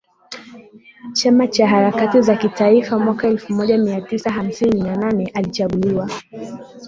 chama cha harakati za kitaifa Mwaka elfu moja mia tisa hamsini na nane alichaguliwa